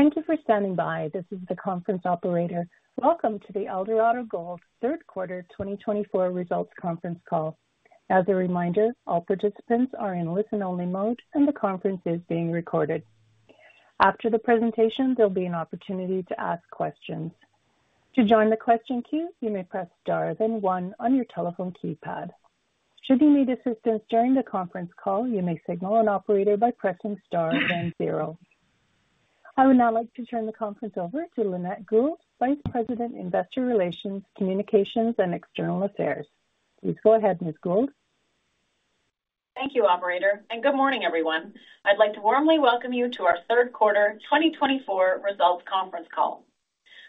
Thank you for standing by. This is the conference operator. Welcome to the Eldorado Gold Lynette Gould third quarter 2024 results conference call. As a reminder, all participants are in listen-only mode, and the conference is being recorded. After the presentation, there'll be an opportunity to ask questions. To join the question queue, you may press star then one on your telephone keypad. Should you need assistance during the conference call, you may signal an operator by pressing star then zero. I would now like to turn the conference over to Lynette Gould, Vice President, Investor Relations, Communications, and External Affairs. Please go ahead, Ms. Gould. Thank you, Operator, and good morning, everyone. I'd like to warmly welcome you to our third quarter 2024 results conference call.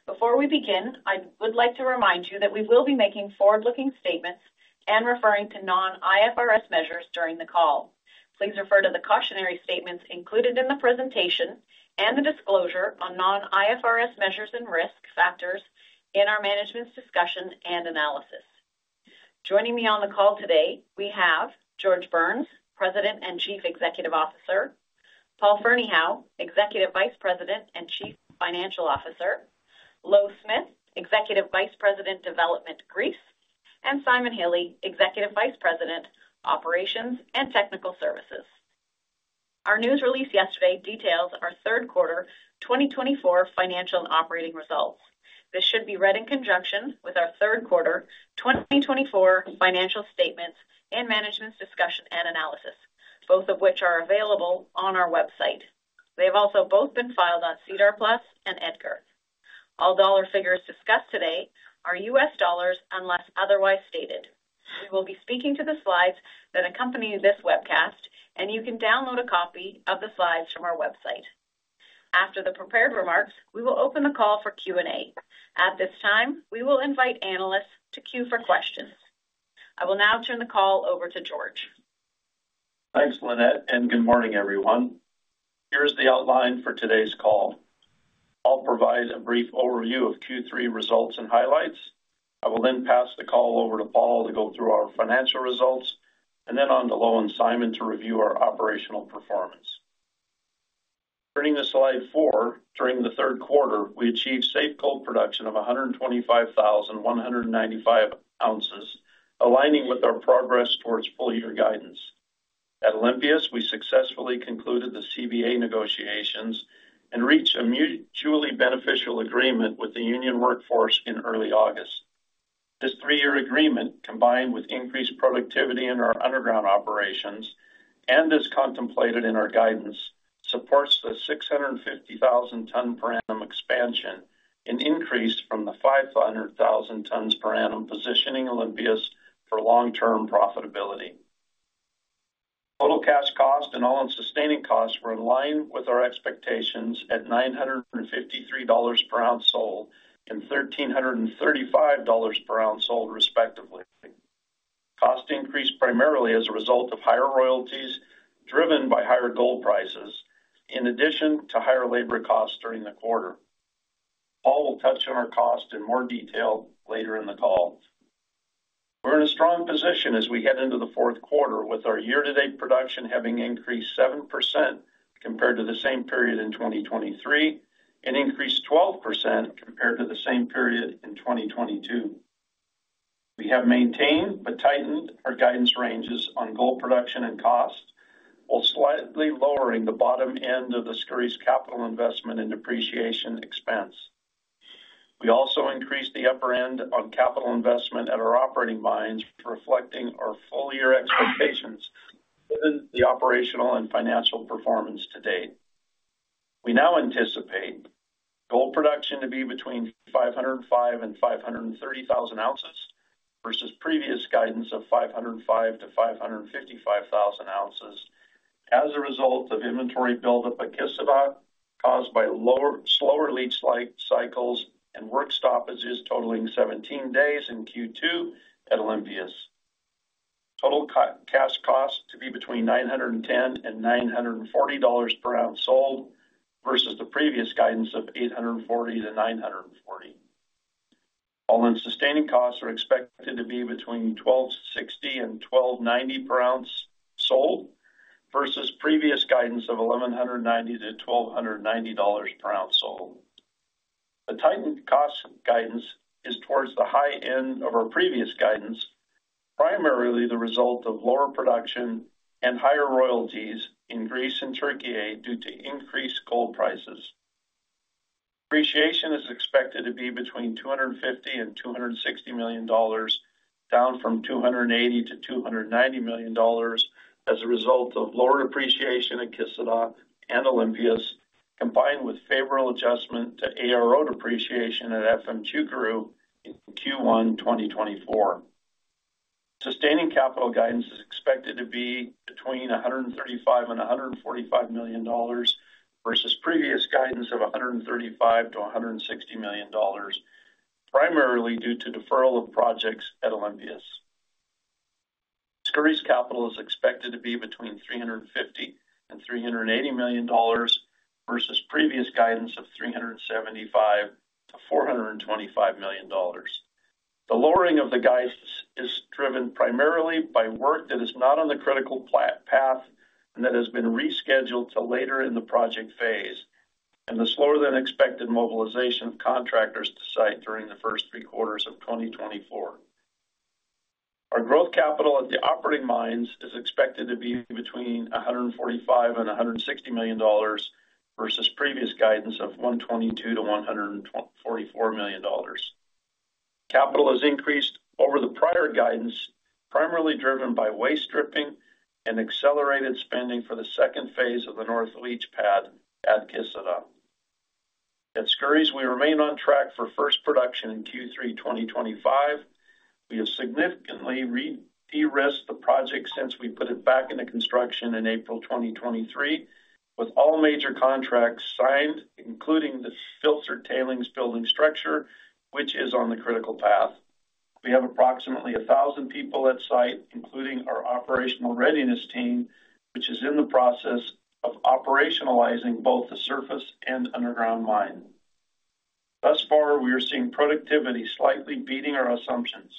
Before we begin, I would like to remind you that we will be making forward-looking statements and referring to non-IFRS measures during the call. Please refer to the cautionary statements included in the presentation and the disclosure on non-IFRS measures and risk factors in our management's discussion and analysis. Joining me on the call today, we have George Burns, President and Chief Executive Officer, Paul Ferneyhough, Executive Vice President and Chief Financial Officer, Louw Smith, Executive Vice President, Development Greece, and Simon Hille, Executive Vice President, Operations and Technical Services. Our news release yesterday details our third quarter 2024 financial and operating results. This should be read in conjunction with our third quarter 2024 financial statements and management's discussion and analysis, both of which are available on our website. They have also both been filed on SEDAR+ and EDGAR. All dollar figures discussed today are U.S. dollars unless otherwise stated. We will be speaking to the slides that accompany this webcast, and you can download a copy of the slides from our website. After the prepared remarks, we will open the call for Q&A. At this time, we will invite analysts to queue for questions. I will now turn the call over to George. Thanks, Lynette, and good morning, everyone. Here's the outline for today's call. I'll provide a brief overview of Q3 results and highlights. I will then pass the call over to Paul to go through our financial results, and then on to Louw and Simon to review our operational performance. Turning to slide four, during the third quarter, we achieved safe gold production of 125,195 ounces, aligning with our progress towards full-year guidance. At Olympias, we successfully concluded the CBA negotiations and reached a mutually beneficial agreement with the union workforce in early August. This three-year agreement, combined with increased productivity in our underground operations and as contemplated in our guidance, supports the 650,000 ton per annum expansion, an increase from the 500,000 tons per annum positioning Olympias for long-term profitability. Total cash cost and all sustaining costs were in line with our expectations at $953 per ounce sold and $1,335 per ounce sold, respectively. Costs increased primarily as a result of higher royalties driven by higher gold prices, in addition to higher labor costs during the quarter. Paul will touch on our costs in more detail later in the call. We're in a strong position as we head into the fourth quarter, with our year-to-date production having increased 7% compared to the same period in 2023 and increased 12% compared to the same period in 2022. We have maintained but tightened our guidance ranges on gold production and costs, while slightly lowering the bottom end of the Skouries' capital investment and depreciation expense. We also increased the upper end on capital investment at our operating mines, reflecting our full-year expectations given the operational and financial performance to date. We now anticipate gold production to be between 505,000 and 530,000 ounces versus previous guidance of 505,000 to 555,000 ounces as a result of inventory buildup at Kışladağ, caused by slower leach cycles and work stoppages totaling 17 days in Q2 at Olympias. Total cash cost to be between $910-$940 per ounce sold versus the previous guidance of $840-$940. All-in sustaining costs are expected to be between $1,260-$1,290 per ounce sold versus previous guidance of $1,190-$1,290 per ounce sold. The tightened cost guidance is towards the high end of our previous guidance, primarily the result of lower production and higher royalties in Greece and Türkiye due to increased gold prices. Depreciation is expected to be between $250 and $260 million, down from $280 to $290 million as a result of lower depreciation at Kışladağ and Olympias, combined with favorable adjustment to ARO depreciation at Efemçukuru in Q1 2024. Sustaining capital guidance is expected to be between $135 and $145 million versus previous guidance of $135 to $160 million, primarily due to deferral of projects at Olympias. Skouries' capital is expected to be between $350 and $380 million versus previous guidance of $375 to $425 million. The lowering of the guidance is driven primarily by work that is not on the critical path and that has been rescheduled to later in the project phase, and the slower-than-expected mobilization of contractors to site during the first three quarters of 2024. Our growth capital at the operating mines is expected to be between $145 and $160 million versus previous guidance of $122-$144 million. Capital has increased over the prior guidance, primarily driven by waste dripping and accelerated spending for the second phase of the north leach pad at Kışladağ. At Skouries, we remain on track for first production in Q3 2025. We have significantly de-risked the project since we put it back into construction in April 2023, with all major contracts signed, including the filter tailings building structure, which is on the critical path. We have approximately 1,000 people at site, including our operational readiness team, which is in the process of operationalizing both the surface and underground mine. Thus far, we are seeing productivity slightly beating our assumptions.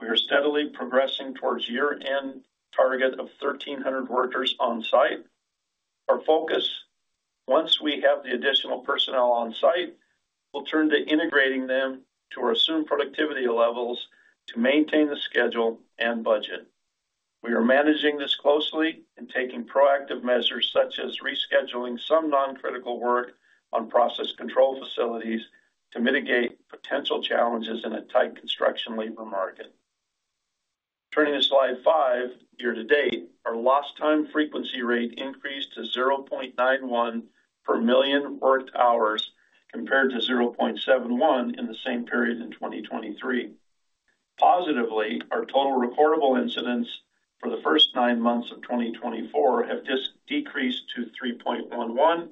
We are steadily progressing towards year-end target of 1,300 workers on site. Our focus, once we have the additional personnel on site, will turn to integrating them to our assumed productivity levels to maintain the schedule and budget. We are managing this closely and taking proactive measures such as rescheduling some non-critical work on process control facilities to mitigate potential challenges in a tight construction labor market. Turning to slide five, year-to-date, our lost-time frequency rate increased to 0.91 per million worked hours compared to 0.71 in the same period in 2023. Positively, our total recordable incidents for the first nine months of 2024 have decreased to 3.11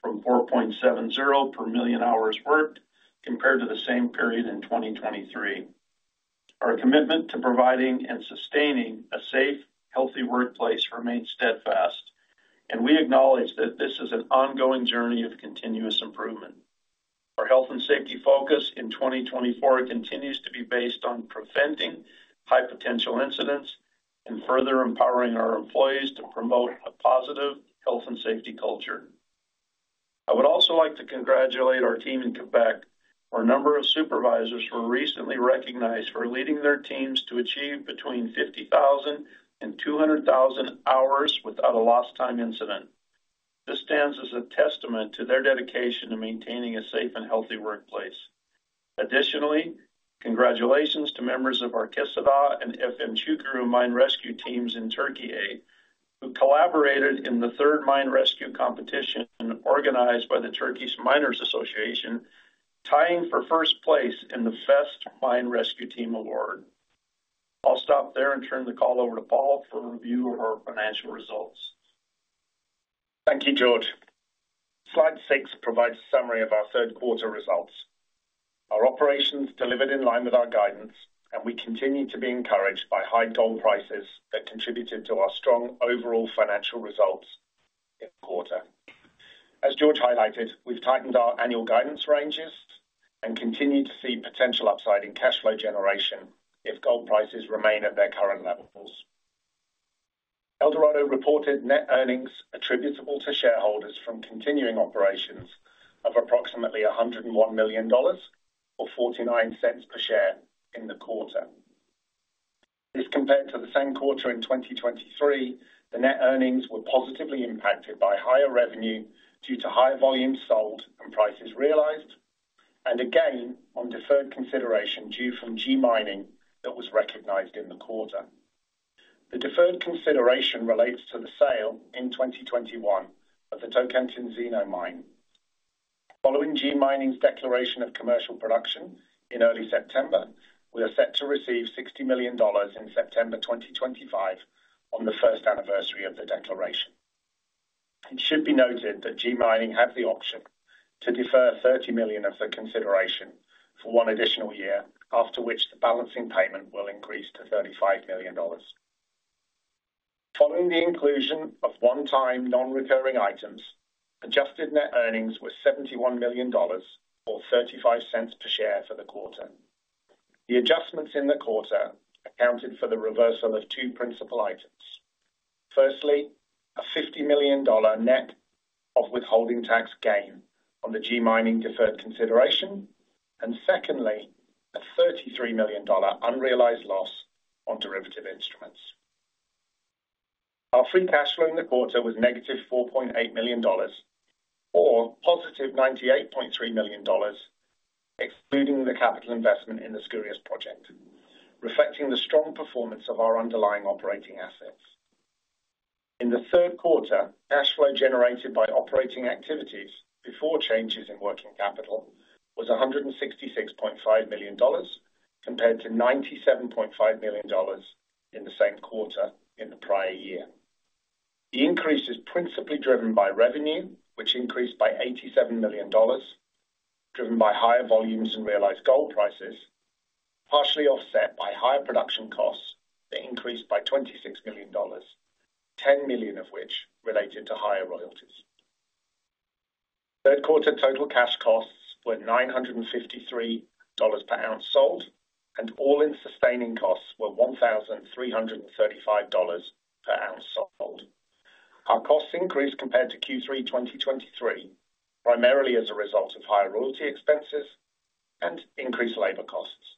from 4.70 per million hours worked compared to the same period in 2023. Our commitment to providing and sustaining a safe, healthy workplace remains steadfast, and we acknowledge that this is an ongoing journey of continuous improvement. Our health and safety focus in 2024 continues to be based on preventing high-potential incidents and further empowering our employees to promote a positive health and safety culture. I would also like to congratulate our team in Quebec. Our number of supervisors were recently recognized for leading their teams to achieve between 50,000 and 200,000 hours without a lost-time incident. This stands as a testament to their dedication to maintaining a safe and healthy workplace. Additionally, congratulations to members of our Kışladağ and Efemçukuru mine rescue teams in Türkiye who collaborated in the third mine rescue competition organized by the Turkish Miners Association, tying for first place in the Best Mine Rescue Team Award. I'll stop there and turn the call over to Paul for review of our financial results. Thank you, George. Slide six provides a summary of our third quarter results. Our operations delivered in line with our guidance, and we continue to be encouraged by high gold prices that contributed to our strong overall financial results in the quarter. As George highlighted, we've tightened our annual guidance ranges and continue to see potential upside in cash flow generation if gold prices remain at their current levels. Eldorado reported net earnings attributable to shareholders from continuing operations of approximately $101 million or $0.49 per share in the quarter. This, compared to the same quarter in 2023, the net earnings were positively impacted by higher revenue due to higher volumes sold and prices realized, and a gain on deferred consideration due from G Mining that was recognized in the quarter. The deferred consideration relates to the sale in 2021 of the Tocantinzinho mine. Following G Mining's declaration of commercial production in early September, we are set to receive $60 million in September 2025 on the first anniversary of the declaration. It should be noted that G Mining has the option to defer $30 million of the consideration for one additional year, after which the balancing payment will increase to $35 million. Following the inclusion of one-time non-recurring items, adjusted net earnings were $71 million or $0.35 per share for the quarter. The adjustments in the quarter accounted for the reversal of two principal items. Firstly, a $50 million net of withholding tax gain on the G Mining deferred consideration, and secondly, a $33 million unrealized loss on derivative instruments. Our free cash flow in the quarter was negative $4.8 million or positive $98.3 million, excluding the capital investment in the Skouries project, reflecting the strong performance of our underlying operating assets. In the third quarter, cash flow generated by operating activities before changes in working capital was $166.5 million compared to $97.5 million in the same quarter in the prior year. The increase is principally driven by revenue, which increased by $87 million, driven by higher volumes and realized gold prices, partially offset by higher production costs that increased by $26 million, $10 million of which related to higher royalties. Third quarter total cash costs were $953 per ounce sold, and all-in sustaining costs were $1,335 per ounce sold. Our costs increased compared to Q3 2023, primarily as a result of higher royalty expenses and increased labor costs.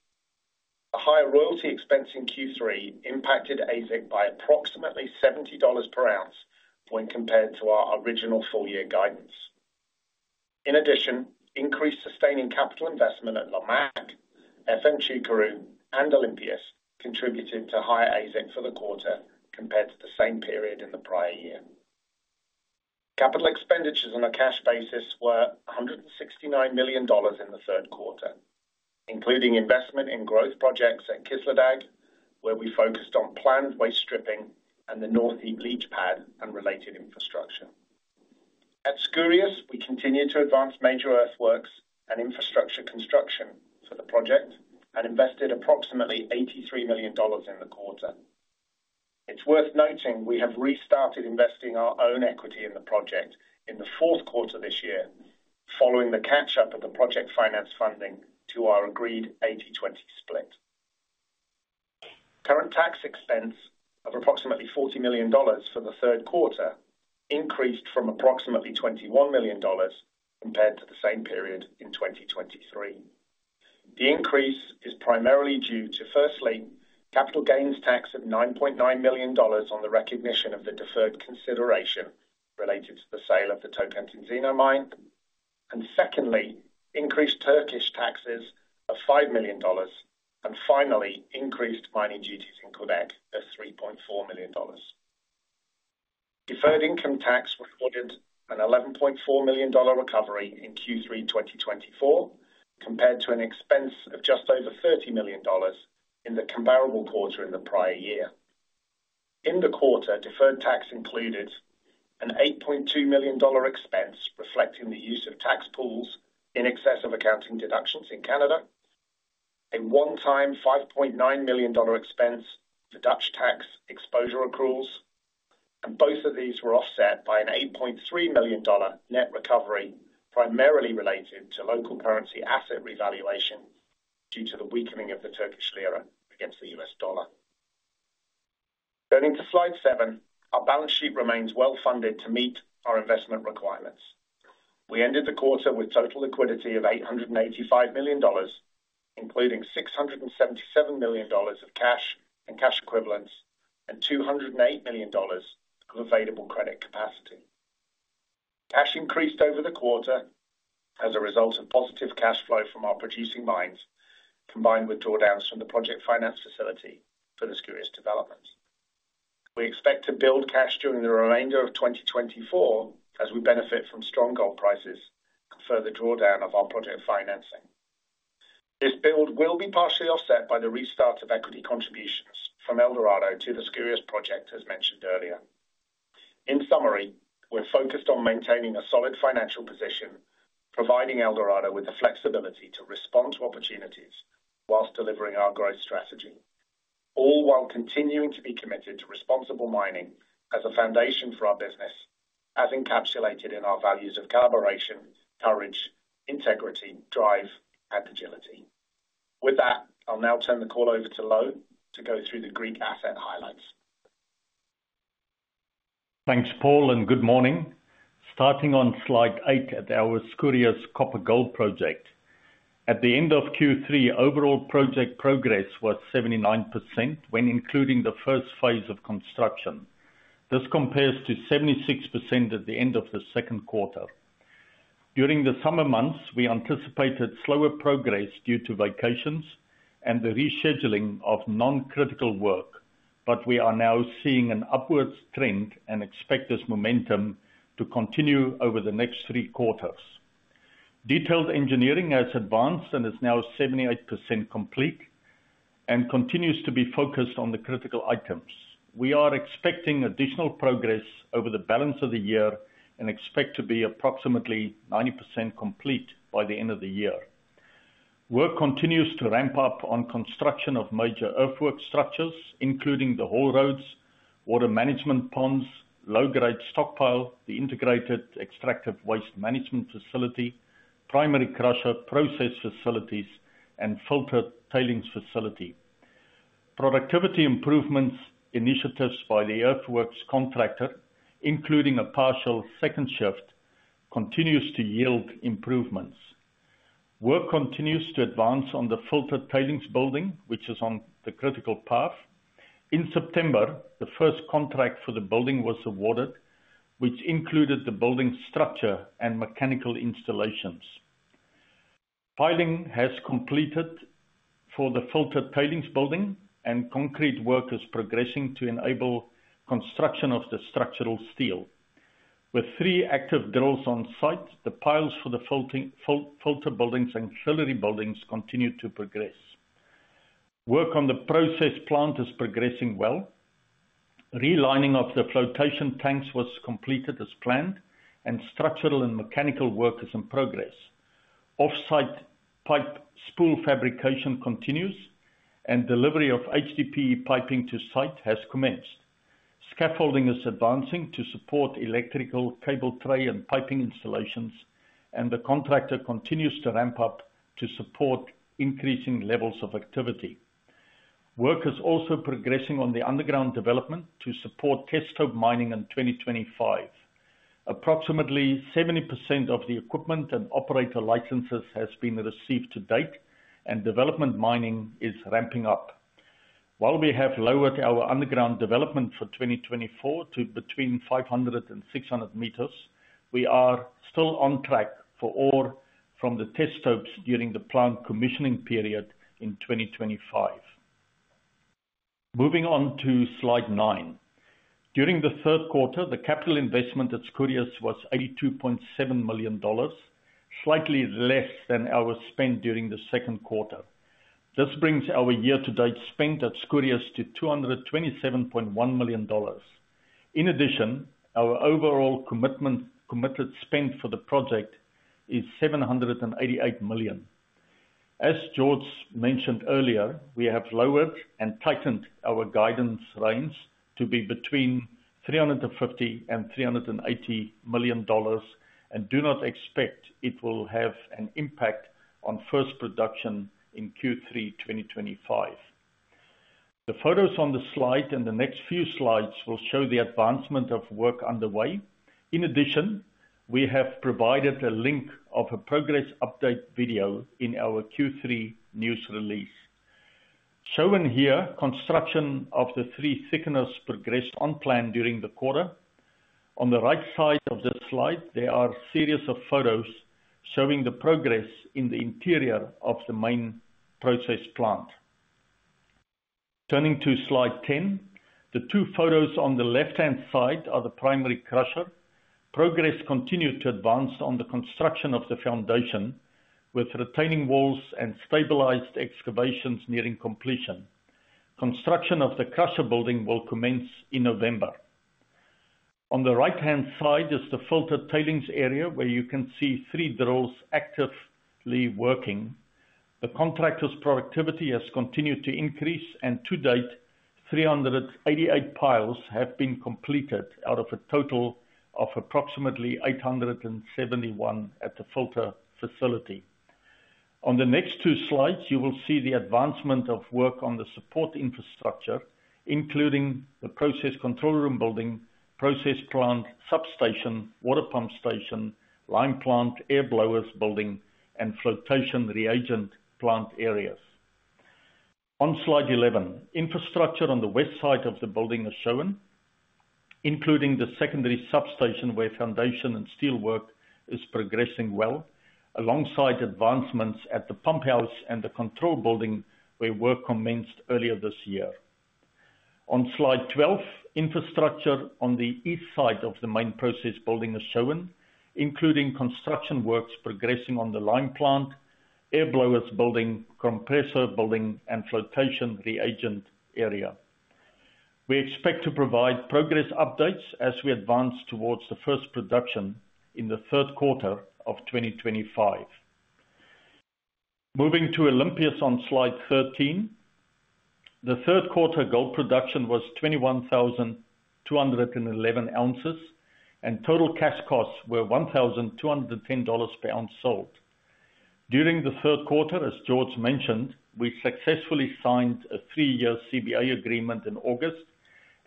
The higher royalty expense in Q3 impacted AISC by approximately $70 per ounce when compared to our original full-year guidance. In addition, increased sustaining capital investment at Lamaque, Efemçukuru, and Olympias contributed to higher AISC for the quarter compared to the same period in the prior year. Capital expenditures on a cash basis were $169 million in the third quarter, including investment in growth projects at Kışladağ, where we focused on planned waste dumping and the North East Leach Pad and related infrastructure. At Skouries, we continue to advance major earthworks and infrastructure construction for the project and invested approximately $83 million in the quarter. It's worth noting we have restarted investing our own equity in the project in the fourth quarter this year, following the catch-up of the project finance funding to our agreed 80/20 split. Current tax expense of approximately $40 million for the third quarter increased from approximately $21 million compared to the same period in 2023. The increase is primarily due to, firstly, capital gains tax of $9.9 million on the recognition of the deferred consideration related to the sale of the Tocantinzinho mine, and secondly, increased Turkish taxes of $5 million, and finally, increased mining duties in Quebec of $3.4 million. Deferred income tax recorded an $11.4 million recovery in Q3 2024 compared to an expense of just over $30 million in the comparable quarter in the prior year. In the quarter, deferred tax included an $8.2 million expense reflecting the use of tax pools in excess of accounting deductions in Canada, a one-time $5.9 million expense for Dutch tax exposure accruals, and both of these were offset by an $8.3 million net recovery primarily related to local currency asset revaluation due to the weakening of the Turkish lira against the U.S. dollar. Turning to slide seven, our balance sheet remains well funded to meet our investment requirements. We ended the quarter with total liquidity of $885 million, including $677 million of cash and cash equivalents and $208 million of available credit capacity. Cash increased over the quarter as a result of positive cash flow from our producing mines, combined with drawdowns from the project finance facility for the Skouries development. We expect to build cash during the remainder of 2024 as we benefit from strong gold prices and further drawdown of our project financing. This build will be partially offset by the restart of equity contributions from Eldorado to the Skouries project, as mentioned earlier. In summary, we're focused on maintaining a solid financial position, providing Eldorado with the flexibility to respond to opportunities while delivering our growth strategy, all while continuing to be committed to responsible mining as a foundation for our business, as encapsulated in our values of collaboration, courage, integrity, drive, and agility. With that, I'll now turn the call over to Louw to go through the Greek asset highlights. Thanks, Paul, and good morning. Starting on slide eight at our Skouries Copper Gold Project, at the end of Q3, overall project progress was 79% when including the first phase of construction. This compares to 76% at the end of the second quarter. During the summer months, we anticipated slower progress due to vacations and the rescheduling of non-critical work, but we are now seeing an upward trend and expect this momentum to continue over the next three quarters. Detailed engineering has advanced and is now 78% complete and continues to be focused on the critical items. We are expecting additional progress over the balance of the year and expect to be approximately 90% complete by the end of the year. Work continues to ramp up on construction of major earthwork structures, including the haul roads, water management ponds, low-grade stockpiles, the integrated extractive waste management facility, primary crusher process facilities, and filter tailings facility. Productivity improvements initiatives by the earthworks contractor, including a partial second shift, continue to yield improvements. Work continues to advance on the filter tailings building, which is on the critical path. In September, the first contract for the building was awarded, which included the building structure and mechanical installations. Piling has completed for the filter tailings building and concrete work is progressing to enable construction of the structural steel. With three active drills on site, the piles for the filter buildings and gallery buildings continue to progress. Work on the process plant is progressing well. Relining of the flotation tanks was completed as planned, and structural and mechanical work is in progress. Off-site pipe spool fabrication continues, and delivery of HDPE piping to site has commenced. Scaffolding is advancing to support electrical cable tray and piping installations, and the contractor continues to ramp up to support increasing levels of activity. Work is also progressing on the underground development to support test stope mining in 2025. Approximately 70% of the equipment and operator licenses have been received to date, and development mining is ramping up. While we have lowered our underground development for 2024 to between 500 and 600 meters, we are still on track for ore from the test stopes during the planned commissioning period in 2025. Moving on to slide nine. During the third quarter, the capital investment at Skouries was $82.7 million, slightly less than our spend during the second quarter. This brings our year-to-date spend at Skouries to $227.1 million. In addition, our overall committed spend for the project is $788 million. As George mentioned earlier, we have lowered and tightened our guidance range to be between $350 and $380 million and do not expect it will have an impact on first production in Q3 2025. The photos on the slide and the next few slides will show the advancement of work underway. In addition, we have provided a link of a progress update video in our Q3 news release. Shown here, construction of the three thickeners progressed on plan during the quarter. On the right side of this slide, there are a series of photos showing the progress in the interior of the main process plant. Turning to slide 10, the two photos on the left-hand side are the primary crusher. Progress continued to advance on the construction of the foundation, with retaining walls and stabilized excavations nearing completion. Construction of the crusher building will commence in November. On the right-hand side is the filter tailings area where you can see three drills actively working. The contractor's productivity has continued to increase, and to date, 388 piles have been completed out of a total of approximately 871 at the filter facility. On the next two slides, you will see the advancement of work on the support infrastructure, including the process control room building, process plant substation, water pump station, line plant, air blowers building, and flotation reagent plant areas. On slide 11, infrastructure on the west side of the building is shown, including the secondary substation where foundation and steel work is progressing well, alongside advancements at the pumphouse and the control building where work commenced earlier this year. On slide 12, infrastructure on the east side of the main process building is shown, including construction works progressing on the lime plant, air blowers building, compressor building, and flotation reagent area. We expect to provide progress updates as we advance towards the first production in the third quarter of 2025. Moving to Olympias on slide 13, the third quarter gold production was 21,211 ounces, and total cash costs were $1,210 per ounce sold. During the third quarter, as George mentioned, we successfully signed a three-year CBA agreement in August,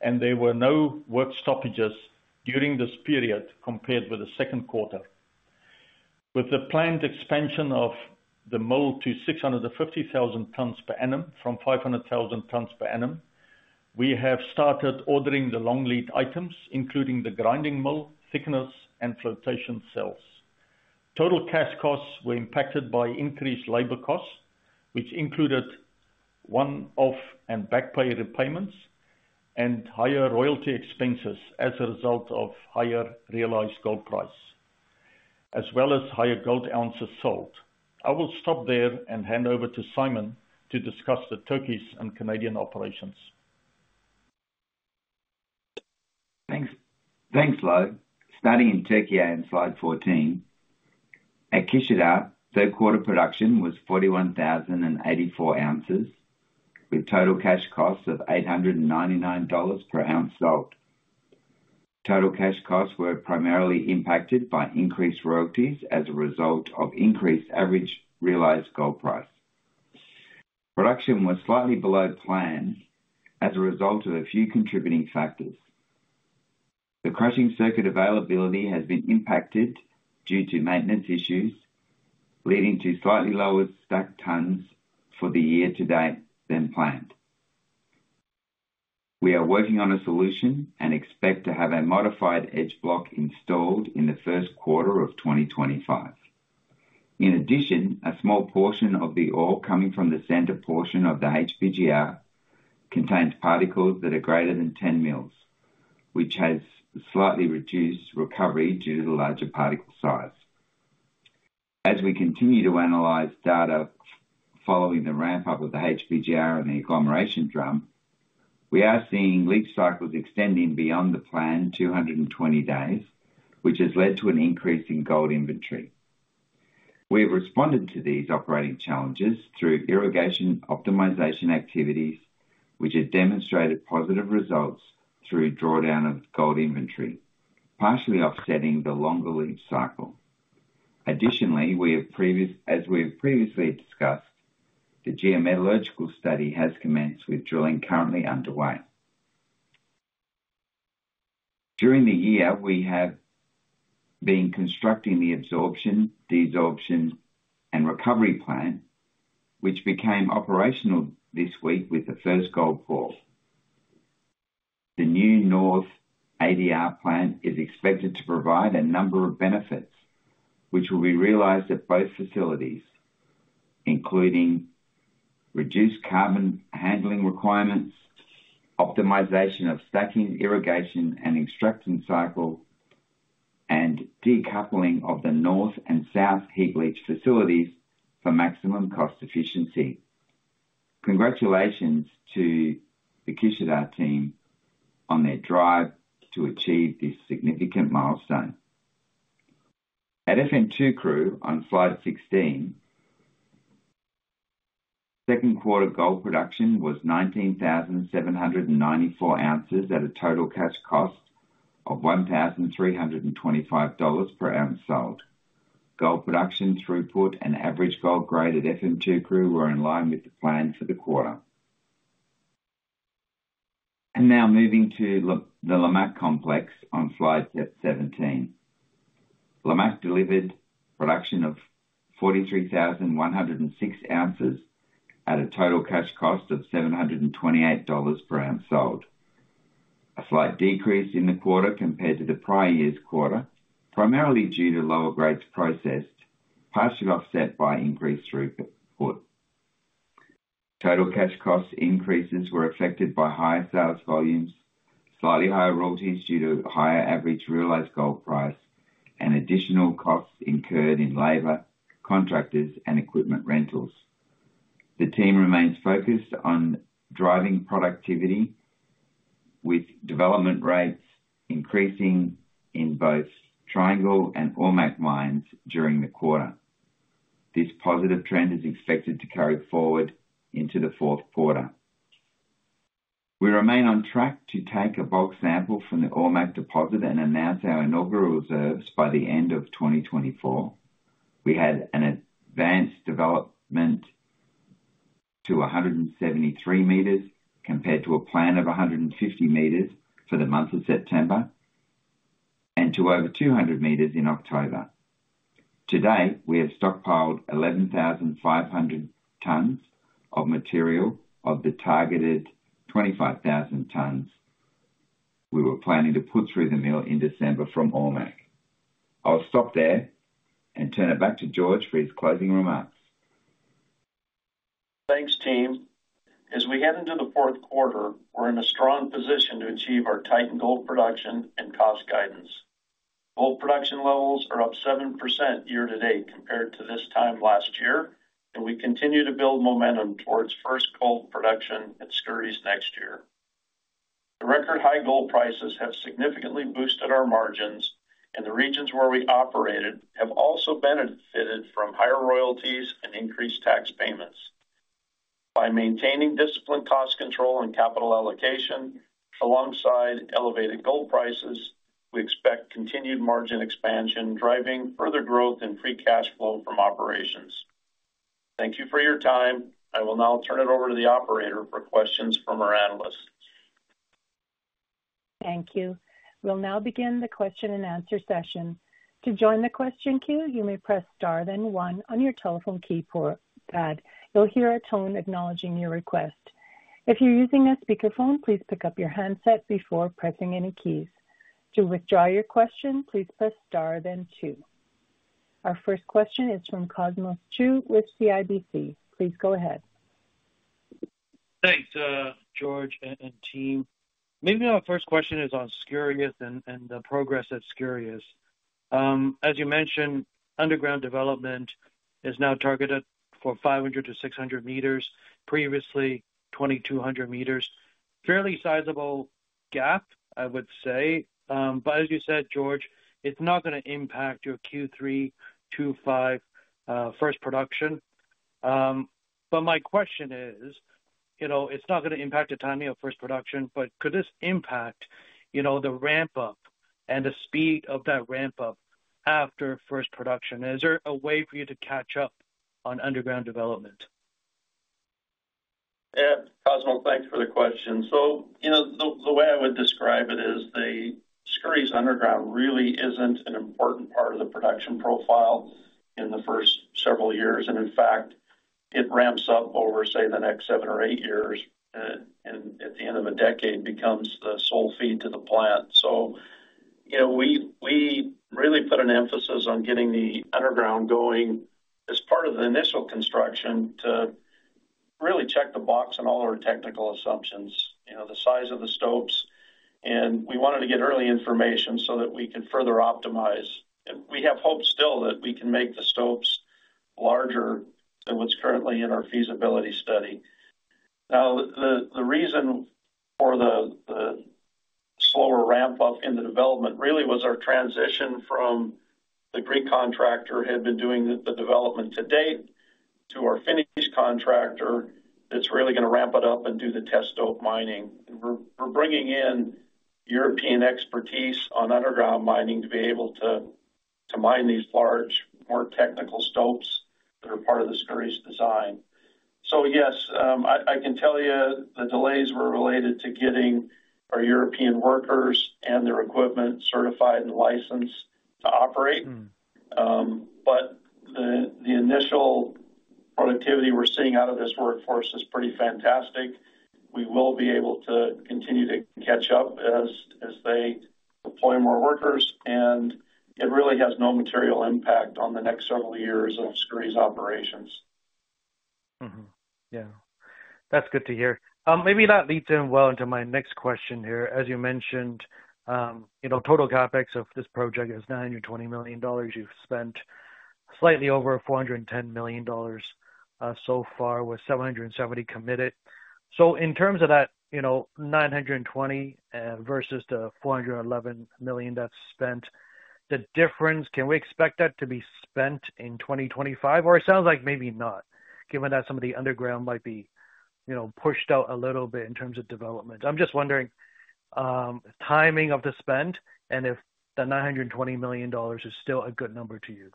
and there were no work stoppages during this period compared with the second quarter. With the planned expansion of the mill to 650,000 tons per annum from 500,000 tons per annum, we have started ordering the long lead items, including the grinding mill, thickeners, and flotation cells. Total cash costs were impacted by increased labor costs, which included one-off and backpay repayments, and higher royalty expenses as a result of higher realized gold price, as well as higher gold ounces sold. I will stop there and hand over to Simon to discuss the Turkish and Canadian operations. Thanks, Louw. Starting in Turkey and slide 14, at Kışladağ, third quarter production was 41,084 ounces, with total cash costs of $899 per ounce sold. Total cash costs were primarily impacted by increased royalties as a result of increased average realized gold price. Production was slightly below plan as a result of a few contributing factors. The crushing circuit availability has been impacted due to maintenance issues, leading to slightly lower stacked tons for the year to date than planned. We are working on a solution and expect to have a modified edge block installed in the first quarter of 2025. In addition, a small portion of the ore coming from the center portion of the HPGR contains particles that are greater than 10 mm, which has slightly reduced recovery due to the larger particle size. As we continue to analyze data following the ramp-up of the HPGR and the agglomeration drum, we are seeing leach cycles extending beyond the planned 220 days, which has led to an increase in gold inventory. We have responded to these operating challenges through irrigation optimization activities, which have demonstrated positive results through drawdown of gold inventory, partially offsetting the longer leach cycle. Additionally, as we have previously discussed, the geometallurgical study has commenced, with drilling currently underway. During the year, we have been constructing the absorption, desorption, and recovery plant, which became operational this week with the first gold pour. The new north ADR plant is expected to provide a number of benefits, which will be realized at both facilities, including reduced carbon handling requirements, optimization of stacking, irrigation, and extraction cycle, and decoupling of the north and south heap leach facilities for maximum cost efficiency. Congratulations to the Kışladağ team on their drive to achieve this significant milestone. At Efemçukuru, on slide 16, second quarter gold production was 19,794 ounces at a total cash cost of $1,325 per ounce sold. Gold production, throughput, and average gold grade at Efemçukuru were in line with the plan for the quarter. Now moving to the Lamaque complex on slide 17. Lamaque delivered production of 43,106 ounces at a total cash cost of $728 per ounce sold, a slight decrease in the quarter compared to the prior year's quarter, primarily due to lower grades processed, partially offset by increased throughput. Total cash cost increases were affected by higher sales volumes, slightly higher royalties due to higher average realized gold price, and additional costs incurred in labor, contractors, and equipment rentals. The team remains focused on driving productivity, with development rates increasing in both Triangle and Ormaque mines during the quarter. This positive trend is expected to carry forward into the fourth quarter. We remain on track to take a bulk sample from the Ormaque deposit and announce our inaugural reserves by the end of 2024. We had an advanced development to 173 meters compared to a plan of 150 meters for the month of September and to over 200 meters in October. Today, we have stockpiled 11,500 tons of material of the targeted 25,000 tons we were planning to put through the mill in December from Ormaque. I'll stop there and turn it back to George for his closing remarks. Thanks, team. As we head into the fourth quarter, we're in a strong position to achieve our tightened gold production and cost guidance. Gold production levels are up 7% year-to-date compared to this time last year, and we continue to build momentum towards first gold production at Skouries next year. The record high gold prices have significantly boosted our margins, and the regions where we operated have also benefited from higher royalties and increased tax payments. By maintaining disciplined cost control and capital allocation alongside elevated gold prices, we expect continued margin expansion, driving further growth and free cash flow from operations. Thank you for your time. I will now turn it over to the operator for questions from our analysts. Thank you. We'll now begin the question and answer session. To join the question queue, you may press star then one on your telephone keypad. You'll hear a tone acknowledging your request. If you're using a speakerphone, please pick up your handset before pressing any keys. To withdraw your question, please press star then two. Our first question is from Cosmos Chiu with CIBC. Please go ahead. Thanks, George and team. Maybe our first question is on Skouries and the progress at Skouries. As you mentioned, underground development is now targeted for 500-600 meters. Previously, 2,200 meters. Fairly sizable gap, I would say. But as you said, George, it's not going to impact your Q3 2025 first production. But my question is, it's not going to impact the timing of first production, but could this impact the ramp-up and the speed of that ramp-up after first production? Is there a way for you to catch up on underground development? Yeah. Cosmos, thanks for the question. So the way I would describe it is the Skouries underground really isn't an important part of the production profile in the first several years. And in fact, it ramps up over, say, the next seven or eight years, and at the end of a decade, becomes the sole feed to the plant. So we really put an emphasis on getting the underground going as part of the initial construction to really check the box on all our technical assumptions, the size of the stopes. And we wanted to get early information so that we could further optimize. And we have hope still that we can make the stopes larger than what's currently in our feasibility study. Now, the reason for the slower ramp-up in the development really was our transition from the Greek contractor who had been doing the development to date to our Finnish contractor that's really going to ramp it up and do the test stope mining. We're bringing in European expertise on underground mining to be able to mine these large, more technical stopes that are part of the Skouries' design. So yes, I can tell you the delays were related to getting our European workers and their equipment certified and licensed to operate. But the initial productivity we're seeing out of this workforce is pretty fantastic. We will be able to continue to catch up as they deploy more workers, and it really has no material impact on the next several years of Skouries' operations. Yeah. That's good to hear. Maybe that leads in well into my next question here. As you mentioned, total CapEx of this project is $920 million. You've spent slightly over $410 million so far with $770 million committed. So in terms of that $920 million versus the $411 million that's spent, the difference, can we expect that to be spent in 2025? Or it sounds like maybe not, given that some of the underground might be pushed out a little bit in terms of development. I'm just wondering timing of the spend and if the $920 million is still a good number to use.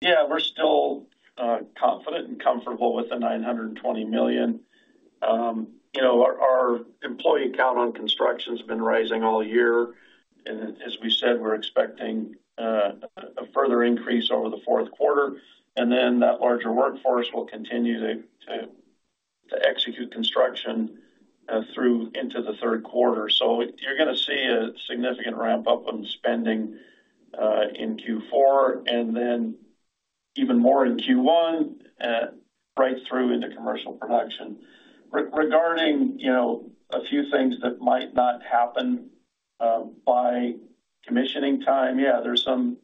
Yeah. We're still confident and comfortable with the $920 million. Our employee count on construction has been rising all year. And as we said, we're expecting a further increase over the fourth quarter. And then that larger workforce will continue to execute construction through into the third quarter. So you're going to see a significant ramp-up in spending in Q4 and then even more in Q1 right through into commercial production. Regarding a few things that might not happen by commissioning time, yeah, there's some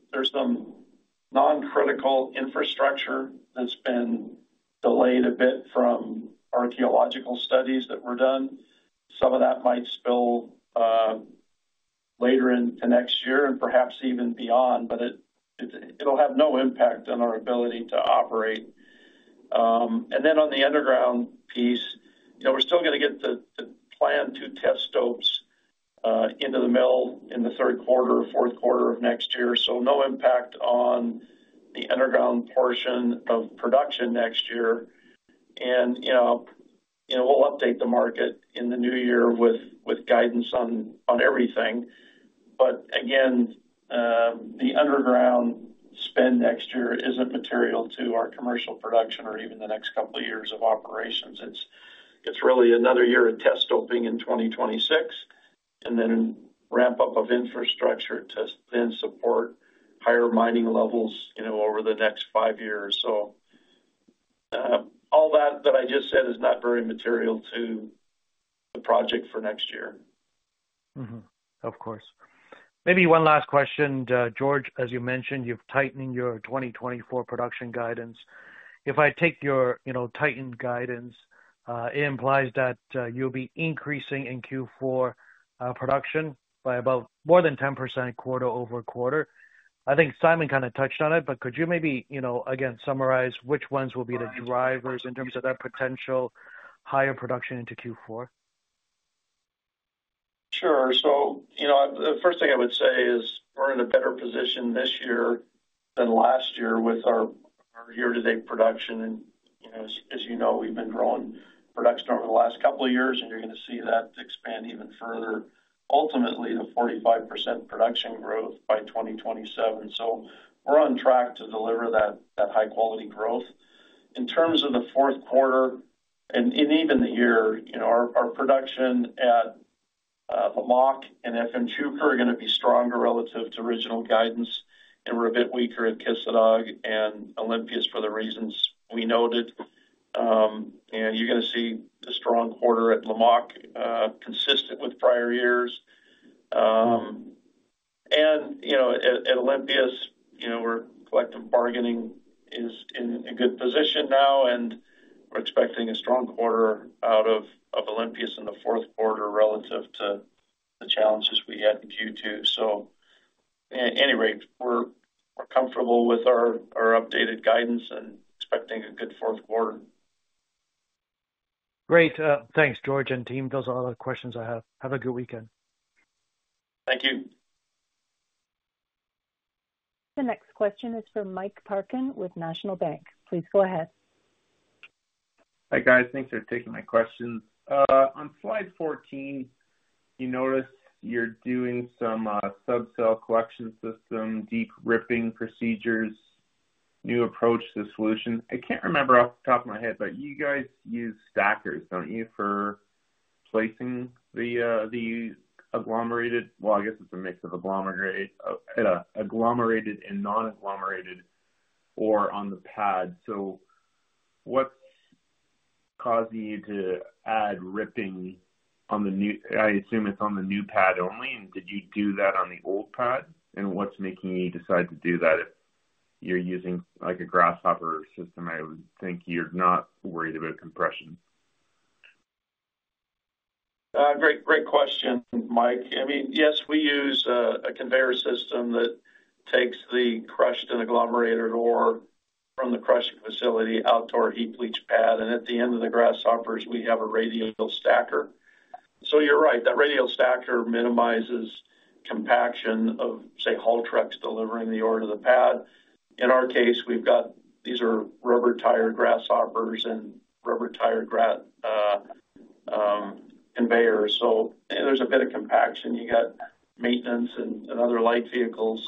non-critical infrastructure that's been delayed a bit from archaeological studies that were done. Some of that might spill later into next year and perhaps even beyond, but it'll have no impact on our ability to operate. And then on the underground piece, we're still going to get the plan to test stopes into the mill in the third quarter or fourth quarter of next year. So no impact on the underground portion of production next year. And we'll update the market in the new year with guidance on everything. But again, the underground spend next year isn't material to our commercial production or even the next couple of years of operations. It's really another year of test stoping in 2026 and then ramp-up of infrastructure to then support higher mining levels over the next five years. So all that that I just said is not very material to the project for next year. Of course. Maybe one last question, George. As you mentioned, you've tightened your 2024 production guidance. If I take your tightened guidance, it implies that you'll be increasing in Q4 production by about more than 10% quarter over quarter. I think Simon kind of touched on it, but could you maybe, again, summarize which ones will be the drivers in terms of that potential higher production into Q4? Sure. So the first thing I would say is we're in a better position this year than last year with our year-to-date production. And as you know, we've been growing production over the last couple of years, and you're going to see that expand even further, ultimately to 45% production growth by 2027. So we're on track to deliver that high-quality growth. In terms of the fourth quarter and even the year, our production at Lamaque and Efemçukuru are going to be stronger relative to original guidance, and we're a bit weaker at Kışladağ and Olympias for the reasons we noted. And you're going to see a strong quarter at Lamaque, consistent with prior years. And at Olympias, our collective bargaining is in a good position now, and we're expecting a strong quarter out of Olympias in the fourth quarter relative to the challenges we had in Q2. So at any rate, we're comfortable with our updated guidance and expecting a good fourth quarter. Great. Thanks, George and team. Those are all the questions I have. Have a good weekend. Thank you. The next question is for Mike Parkin with National Bank. Please go ahead. Hi guys. Thanks for taking my question. On slide 14, you notice you're doing some subcell collection system, deep ripping procedures, new approach to solution. I can't remember off the top of my head, but you guys use stackers, don't you, for placing the agglomerated, well, I guess it's a mix of agglomerated and non-agglomerated or on the pad. So what's causing you to add ripping on the new, I assume it's on the new pad only? And did you do that on the old pad? And what's making you decide to do that if you're using a grasshopper system? I would think you're not worried about compression. Great question, Mike. I mean, yes, we use a conveyor system that takes the crushed and agglomerated ore from the crushing facility out to our heap leach pad. And at the end of the grasshoppers, we have a radial stacker. So you're right. That radial stacker minimizes compaction of, say, haul trucks delivering the ore to the pad. In our case, we've got these are rubber-tired grasshoppers and rubber-tired conveyors. So there's a bit of compaction. You've got maintenance and other light vehicles.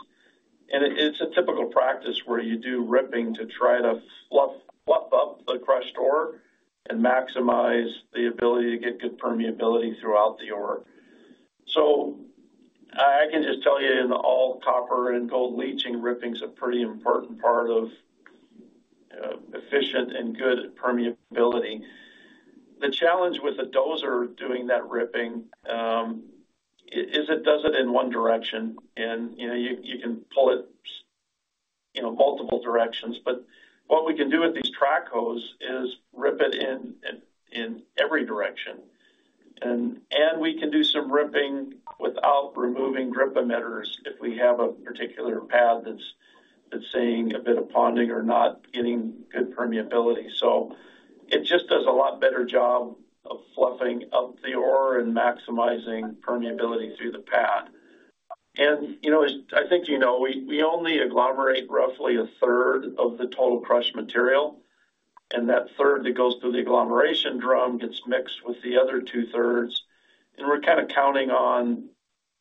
And it's a typical practice where you do ripping to try to fluff up the crushed ore and maximize the ability to get good permeability throughout the ore. So I can just tell you in all copper and gold leaching, ripping is a pretty important part of efficient and good permeability. The challenge with a dozer doing that ripping is it does it in one direction, and you can pull it multiple directions. But what we can do with these track hoes is rip it in every direction, and we can do some ripping without removing drip emitters if we have a particular pad that's seeing a bit of ponding or not getting good permeability. So it just does a lot better job of fluffing up the ore and maximizing permeability through the pad. And I think you know we only agglomerate roughly a third of the total crushed material, and that third that goes through the agglomeration drum gets mixed with the other two-thirds. And we're kind of counting on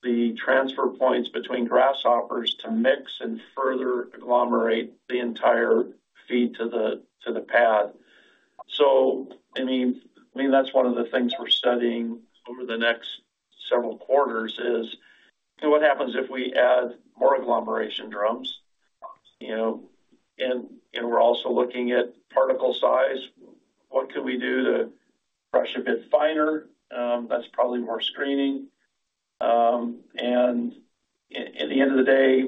the transfer points between grasshoppers to mix and further agglomerate the entire feed to the pad. So I mean, that's one of the things we're studying over the next several quarters is what happens if we add more agglomeration drums. And we're also looking at particle size. What can we do to crush a bit finer? That's probably more screening. And at the end of the day,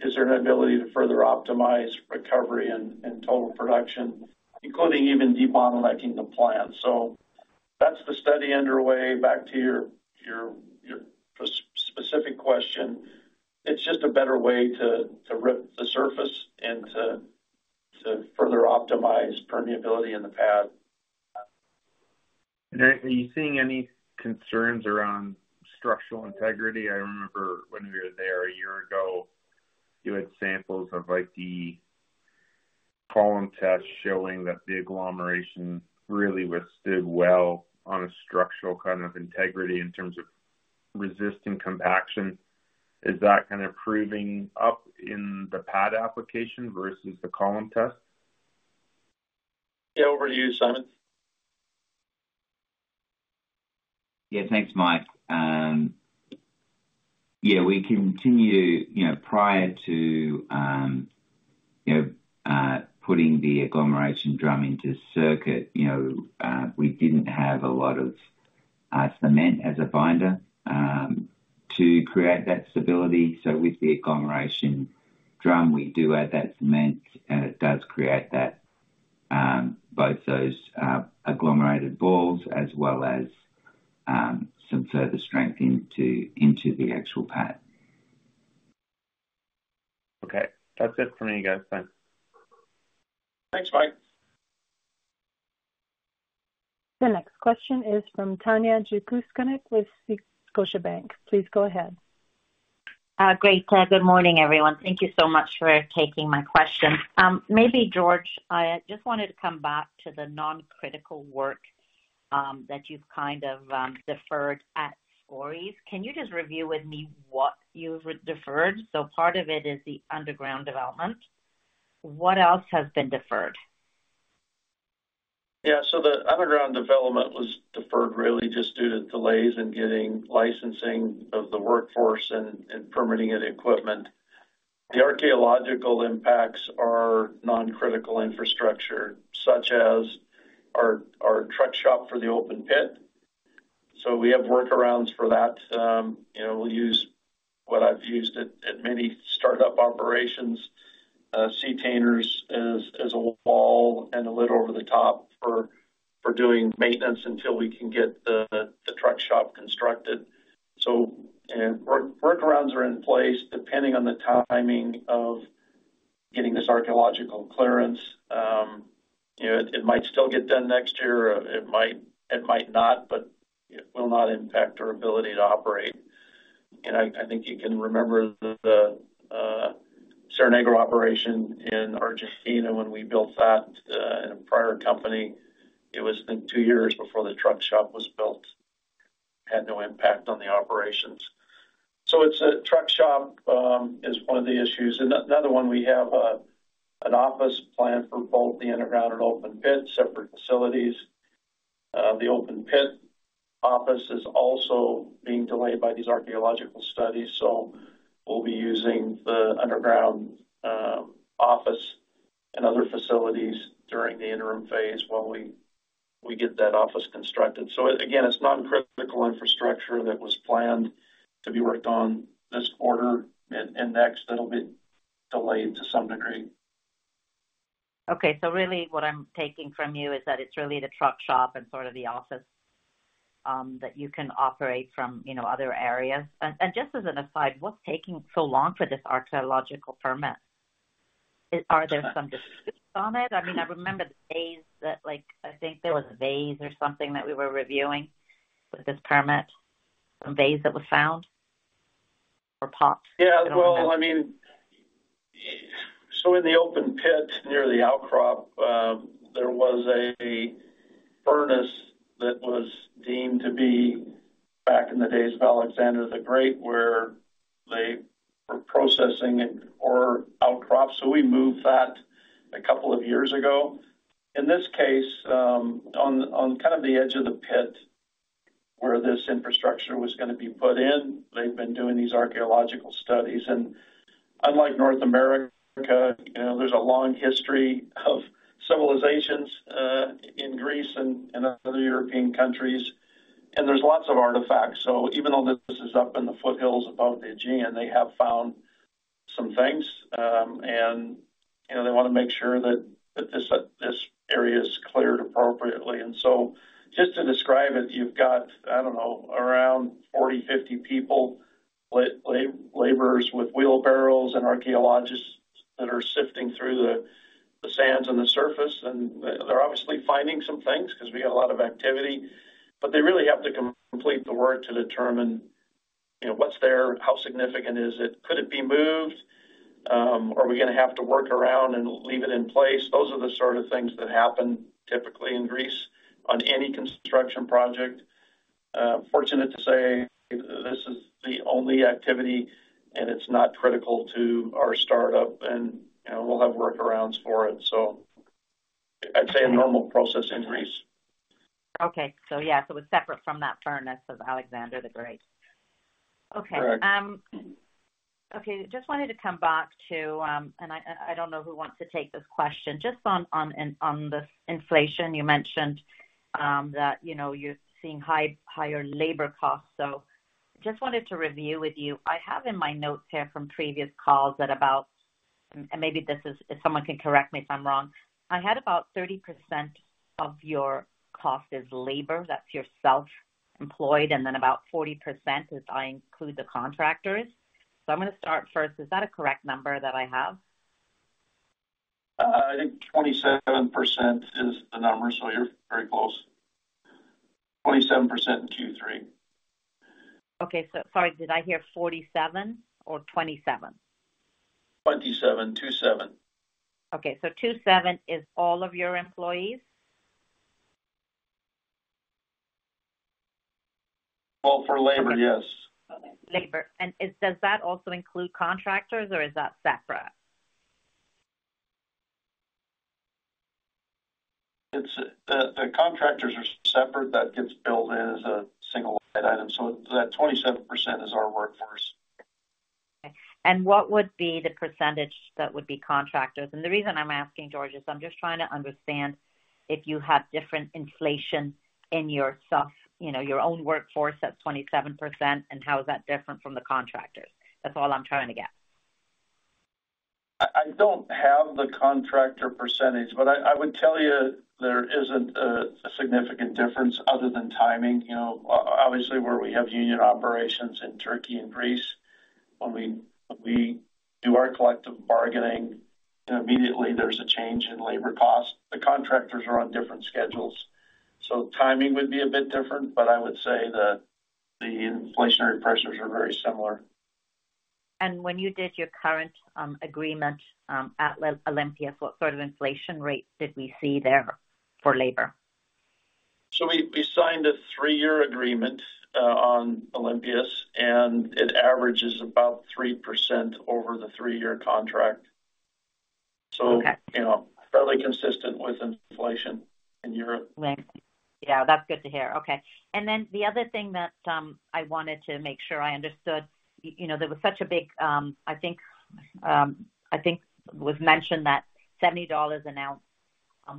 is there an ability to further optimize recovery and total production, including even de-bottlenecking the plant? So that's the study underway. Back to your specific question, it's just a better way to rip the surface and to further optimize permeability in the pad. Are you seeing any concerns around structural integrity? I remember when we were there a year ago, you had samples of the column test showing that the agglomeration really withstood well on a structural kind of integrity in terms of resisting compaction. Is that kind of proving up in the pad application versus the column test? Yeah. Over to you, Simon. Yeah. Thanks, Mike. Yeah. We continue, prior to putting the agglomeration drum into circuit, we didn't have a lot of cement as a binder to create that stability. So with the agglomeration drum, we do add that cement, and it does create both those agglomerated balls as well as some further strength into the actual pad. Okay. That's it for me, guys. Thanks. Thanks, Mike. The next question is from Tanya Jakusconek with Scotiabank. Please go ahead. Great. Good morning, everyone. Thank you so much for taking my question. Maybe George, I just wanted to come back to the non-critical work that you've kind of deferred at Skouries. Can you just review with me what you've deferred? So part of it is the underground development. What else has been deferred? Yeah. So the underground development was deferred really just due to delays in getting licensing of the workforce and permitting and equipment. The archaeological impacts are non-critical infrastructure, such as our truck shop for the open pit. So we have workarounds for that. We'll use what I've used at many startup operations, sea cans as a wall and a lid over the top for doing maintenance until we can get the truck shop constructed. So workarounds are in place depending on the timing of getting this archaeological clearance. It might still get done next year. It might not, but it will not impact our ability to operate. And I think you can remember the Cerro Negro operation in Argentina when we built that in a prior company. It was two years before the truck shop was built. It had no impact on the operations. So the truck shop is one of the issues. And another one, we have an office planned for both the underground and open pit, separate facilities. The open pit office is also being delayed by these archaeological studies. So we'll be using the underground office and other facilities during the interim phase while we get that office constructed. So again, it's non-critical infrastructure that was planned to be worked on this quarter and next that'll be delayed to some degree. Okay, so really what I'm taking from you is that it's really the truck shop and sort of the office that you can operate from other areas, and just as an aside, what's taking so long for this archaeological permit? Are there some disputes on it? I mean, I remember the vase that I think there was a vase or something that we were reviewing with this permit, some vase that was found or popped. Yeah. Well, I mean, so in the open pit near the outcrop, there was a furnace that was deemed to be back in the days of Alexander the Great where they were processing ore outcrop. So we moved that a couple of years ago. In this case, on kind of the edge of the pit where this infrastructure was going to be put in, they've been doing these archaeological studies. And unlike North America, there's a long history of civilizations in Greece and other European countries, and there's lots of artifacts. So even though this is up in the foothills above the Aegean, they have found some things, and they want to make sure that this area is cleared appropriately. And so just to describe it, you've got, I don't know, around 40, 50 people, laborers with wheelbarrows and archaeologists that are sifting through the sands on the surface. And they're obviously finding some things because we have a lot of activity. But they really have to complete the work to determine what's there, how significant is it, could it be moved, are we going to have to work around and leave it in place. Those are the sort of things that happen typically in Greece on any construction project. Fortunately, this is the only activity, and it's not critical to our startup, and we'll have workarounds for it. So I'd say a normal process in Greece. Okay. So yeah, so it's separate from that furnace of Alexander the Great. Okay. Okay. Just wanted to come back to, and I don't know who wants to take this question, just on this inflation. You mentioned that you're seeing higher labor costs. So just wanted to review with you. I have in my notes here from previous calls that about, and maybe this is if someone can correct me if I'm wrong, I had about 30% of your cost is labor. That's your employees, and then about 40% if I include the contractors. So I'm going to start first. Is that a correct number that I have? I think 27% is the number. So you're very close. 27% in Q3. Okay. So sorry, did I hear 47 or 27? 27. 27. Okay. So 27 is all of your employees? For labor, yes. Okay. Labor. And does that also include contractors, or is that separate? The contractors are separate. That gets billed in as a single item, so that 27% is our workforce. Okay. And what would be the percentage that would be contractors? And the reason I'm asking, George, is I'm just trying to understand if you have different inflation in your own workforce at 27%, and how is that different from the contractors? That's all I'm trying to get. I don't have the contractor percentage, but I would tell you there isn't a significant difference other than timing. Obviously, where we have union operations in Turkey and Greece, when we do our collective bargaining, immediately there's a change in labor costs. The contractors are on different schedules. So timing would be a bit different, but I would say the inflationary pressures are very similar. When you did your current agreement at Olympias, what sort of inflation rate did we see there for labor? So we signed a three-year agreement on Olympias, and it averages about 3% over the three-year contract. So fairly consistent with inflation in Europe. Yeah. That's good to hear. Okay. And then the other thing that I wanted to make sure I understood, there was such a big, I think was mentioned that $70 an ounce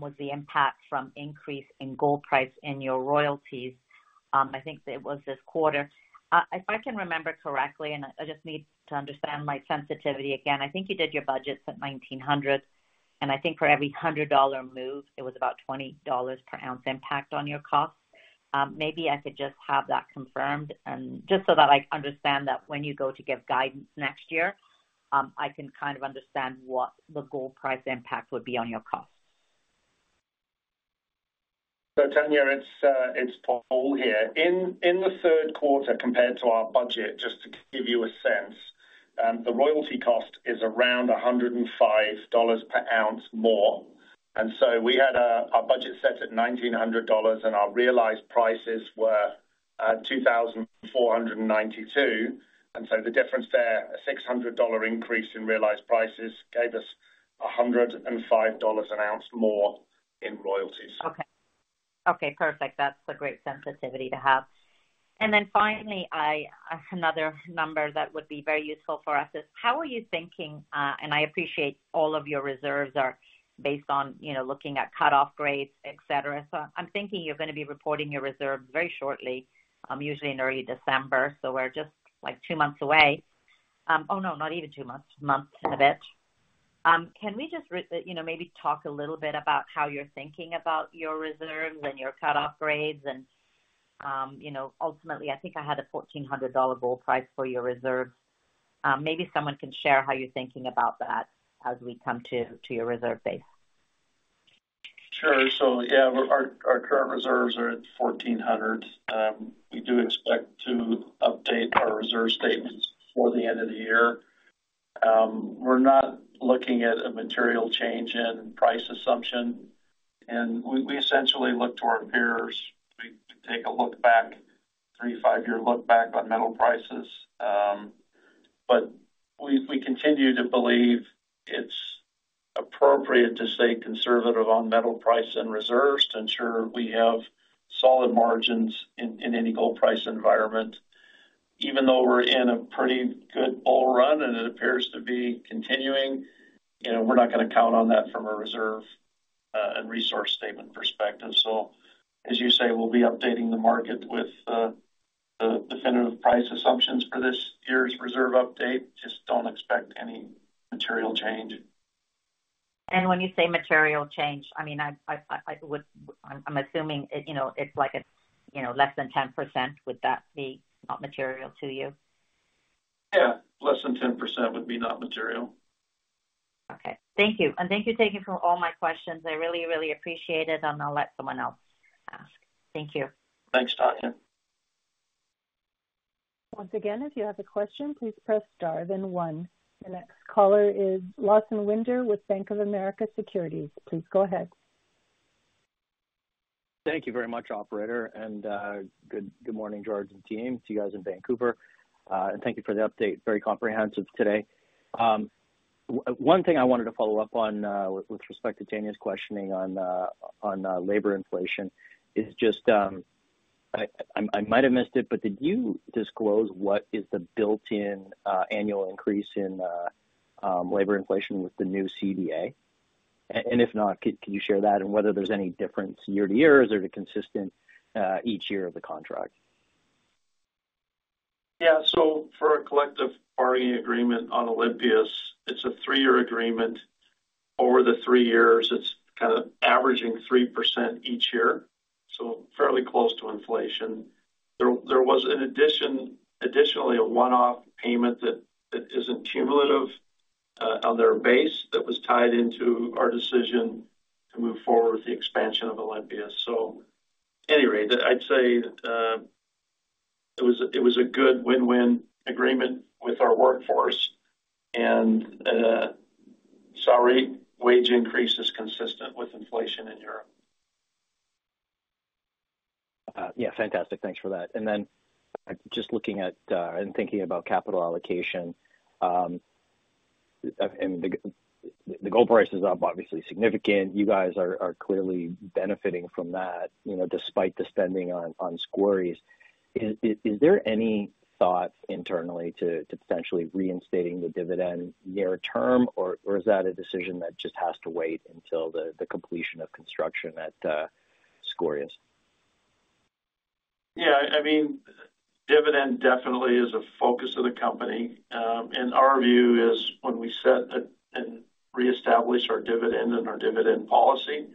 was the impact from increase in gold price in your royalties. I think it was this quarter. If I can remember correctly, and I just need to understand my sensitivity again, I think you did your budgets at $1,900. And I think for every $100 moved, it was about $20 per ounce impact on your costs. Maybe I could just have that confirmed just so that I understand that when you go to give guidance next year, I can kind of understand what the gold price impact would be on your costs. So, Tanya, it's Paul here. In the third quarter, compared to our budget, just to give you a sense, the royalty cost is around $105 per ounce more. And so we had our budget set at $1,900, and our realized prices were $2,492. And so the difference there, a $600 increase in realized prices, gave us $105 an ounce more in royalties. Okay. Okay. Perfect. That's a great sensitivity to have. And then finally, another number that would be very useful for us is how are you thinking? And I appreciate all of your reserves are based on looking at cut-off grades, etc. So I'm thinking you're going to be reporting your reserves very shortly, usually in early December. So we're just like two months away. Oh, no, not even two months, a month and a bit. Can we just maybe talk a little bit about how you're thinking about your reserves and your cut-off grades? And ultimately, I think I had a $1,400 bull price for your reserves. Maybe someone can share how you're thinking about that as we come to your reserve base. Sure, so yeah, our current reserves are at 1,400. We do expect to update our reserve statements before the end of the year. We're not looking at a material change in price assumption, and we essentially look to our peers. We take a look back, three- to five-year look back on metal prices, but we continue to believe it's appropriate to stay conservative on metal price and reserves to ensure we have solid margins in any gold price environment. Even though we're in a pretty good bull run, and it appears to be continuing, we're not going to count on that from a reserve and resource statement perspective, so as you say, we'll be updating the market with the definitive price assumptions for this year's reserve update. Just don't expect any material change. When you say material change, I mean, I'm assuming it's like less than 10%. Would that be not material to you? Yeah. Less than 10% would be not material. Okay. Thank you, and thank you for taking all my questions. I really, really appreciate it, and I'll let someone else ask. Thank you. Thanks, Tanya. Once again, if you have a question, please press star then one. The next caller is Lawson Winder with Bank of America Securities. Please go ahead. Thank you very much, Operator, and good morning, George and team, to you guys in Vancouver. And thank you for the update. Very comprehensive today. One thing I wanted to follow up on with respect to Tanya's questioning on labor inflation is just I might have missed it, but did you disclose what is the built-in annual increase in labor inflation with the new CBA? And if not, could you share that? And whether there's any difference year to year or is there a consistent each year of the contract? Yeah. So for a collective bargaining agreement on Olympias, it's a three-year agreement. Over the three years, it's kind of averaging 3% each year. So fairly close to inflation. There was, additionally, a one-off payment that isn't cumulative on their base that was tied into our decision to move forward with the expansion of Olympias. So at any rate, I'd say it was a good win-win agreement with our workforce. And sorry, wage increase is consistent with inflation in Europe. Yeah. Fantastic. Thanks for that. And then just looking at and thinking about capital allocation, the gold price is obviously significant. You guys are clearly benefiting from that despite the spending on Skouries. Is there any thought internally to potentially reinstating the dividend near term, or is that a decision that just has to wait until the completion of construction at Skouries? Yeah. I mean, dividend definitely is a focus of the company. And our view is when we set and reestablish our dividend and our dividend policy,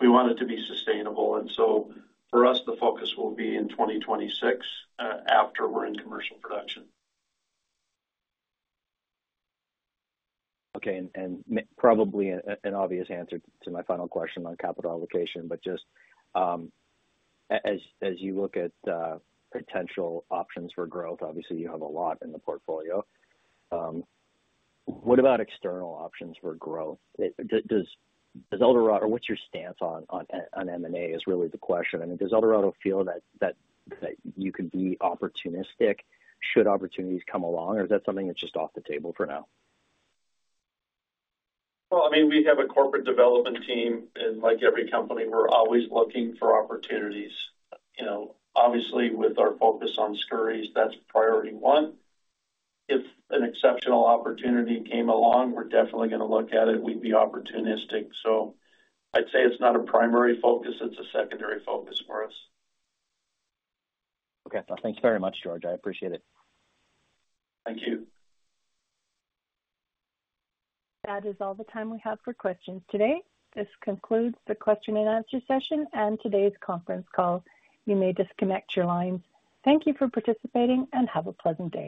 we want it to be sustainable. And so for us, the focus will be in 2026 after we're in commercial production. Okay. And probably an obvious answer to my final question on capital allocation, but just as you look at potential options for growth, obviously, you have a lot in the portfolio. What about external options for growth? Does Eldorado, or what's your stance on M&A? Is really the question. I mean, does Eldorado feel that you can be opportunistic should opportunities come along, or is that something that's just off the table for now? I mean, we have a corporate development team. And like every company, we're always looking for opportunities. Obviously, with our focus on Skouries, that's priority one. If an exceptional opportunity came along, we're definitely going to look at it. We'd be opportunistic. So I'd say it's not a primary focus. It's a secondary focus for us. Okay. Thanks very much, George. I appreciate it. Thank you. That is all the time we have for questions today. This concludes the question and answer session and today's conference call. You may disconnect your lines. Thank you for participating and have a pleasant day.